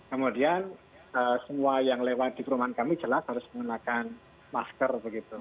kemudian semua yang lewat di perumahan kami jelas harus menggunakan masker begitu